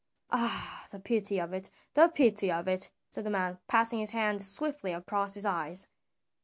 Ah, the pity of it, the pity of it!" said the man, passing his hand swiftly across his eyes.